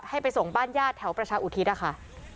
ให้ไปส่งบ้านญาติแถวประชาอุทิศค่ะ